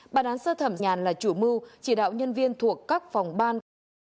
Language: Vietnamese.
bà đán sơ thẩm nhàn là chủ mưu chỉ đạo nhân viên thuộc các phòng ban